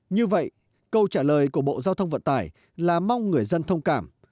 như vậy câu trả lời của bộ giao thông vận tải là mong người dân thông cảm